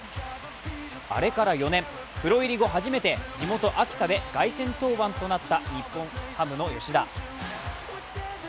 あれから４年、プロ入り後初めて凱旋登板となった日本ハムの吉田。